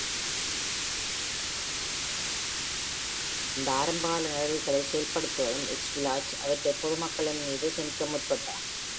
இந்த ஆரம்பகால நடவடிக்கைகளை செயல்படுத்தியதும், எஸ்க்குவிலாச் அவற்றை பொது மக்களின் மீது திணிக்க முற்பட்டான்.